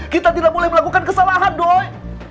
kita tidak boleh melakukan kesalahan doy